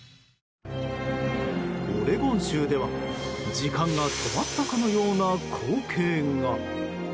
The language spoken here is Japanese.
オレゴン州では、時間が止まったかのような光景が。